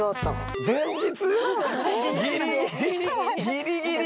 ギリギリ！